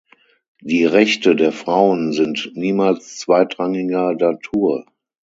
Die Rechte der Frauen sind niemals zweitrangiger Natur.